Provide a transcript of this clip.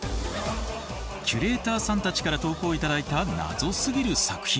キュレーターさんたちから投稿頂いたナゾすぎる作品。